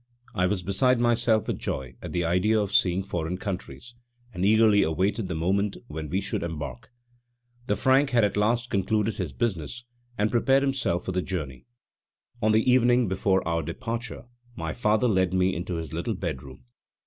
I was beside myself with joy at the idea of seeing foreign countries, and eagerly awaited the moment when we should embark. The Frank had at last concluded his business and prepared himself for the journey. On the evening before our departure my father led me into his little bedroom.